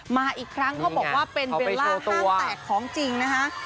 มาอีกครั้งเขาบอกว่าเป็นเบลล่าห้างแตกของจริงนะคะ